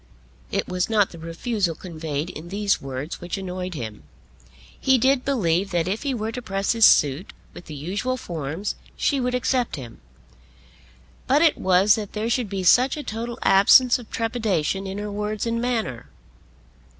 It was not the refusal conveyed in these words which annoyed him. He did believe that if he were to press his suit with the usual forms she would accept him. But it was that there should be such a total absence of trepidation in her words and manner.